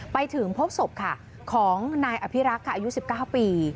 ไปถึงพบสบค่ะของนายอภิรักษ์ค่ะอายุสิบเก้าปี